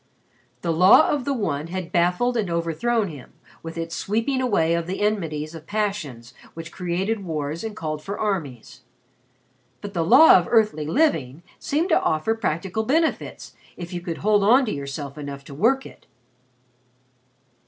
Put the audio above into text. The law of the One had baffled and overthrown him, with its sweeping away of the enmities of passions which created wars and called for armies. But the Law of Earthly Living seemed to offer practical benefits if you could hold on to yourself enough to work it.